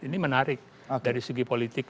ini menarik dari segi politik